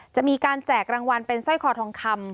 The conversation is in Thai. จะมีการแจกรางวัลเป็นสร้อยคอทองคำ